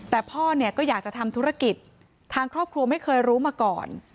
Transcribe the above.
แต่พ่อเนี่ยก็อยากจะทำธุรกิจทางครอบครัวไม่เคยรู้มาก่อน